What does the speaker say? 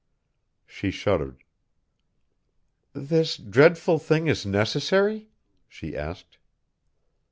She shuddered. "This dreadful thing is necessary?" she asked.